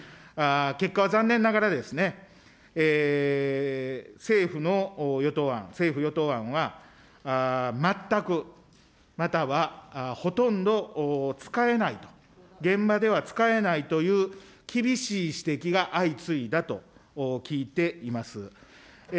結果は残念ながらですね、政府の与党案、政府与党案は、全く、またはほとんど使えないと、現場では使えないという厳しい指摘が相次いだと聞いています。